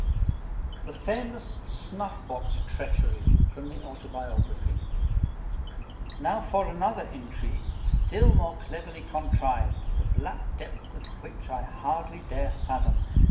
THE FAMOUS "SNUFF BOX TREACHERY" From the Autobiography Now for another intrigue, still more cleverly contrived, the black depths of which I hardly dare fathom.